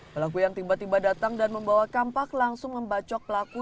pelaku yang tiba tiba datang dan membawa kampak langsung membacok pelaku